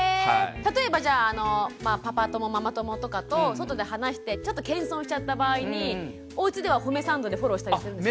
例えばじゃああのパパ友ママ友とかと外で話してちょっと謙遜しちゃった場合におうちでは褒めサンドでフォローしたりするんですか？